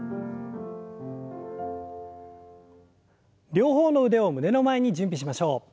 両方の腕を胸の前に準備しましょう。